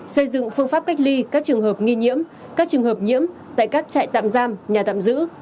xây dựng phương pháp cách ly các trường hợp nghi nhiễm các trường hợp nhiễm tại các trại tạm giam nhà tạm giữ